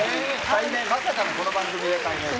まさかの、この番組で改名。